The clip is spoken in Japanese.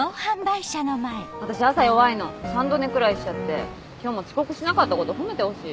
私朝弱いの三度寝くらいしちゃって今日も遅刻しなかったこと褒めてほしい。